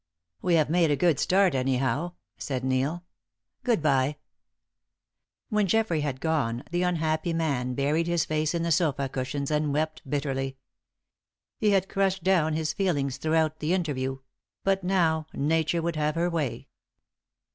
"We have made a good start, anyhow," said Neil. "Good bye." When Geoffrey had gone, the unhappy man buried his face in the sofa cushions and wept bitterly. He had crushed down his feelings throughout the interview; but now Nature would have her way.